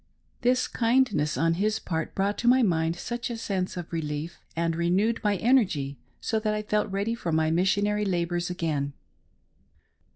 This kindness on his part brought to my mind such a sense of relief, and renewed my energy, so that I felt ready for my missionary labors again.